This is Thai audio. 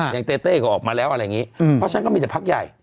เต้เต้ก็ออกมาแล้วอะไรอย่างนี้เพราะฉะนั้นก็มีแต่พักใหญ่